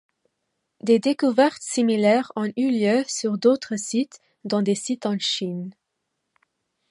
Des découvertes similaires ont eu lieu sur d'autres sites, dont des sites en Chine.